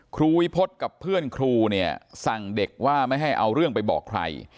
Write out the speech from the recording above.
ครูวิพฤษกับเพื่อนครูเนี่ยสั่งเด็กว่าไม่ให้เอาเรื่องไปบอกใคร